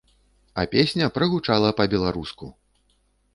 А песня прагучала па-беларуску!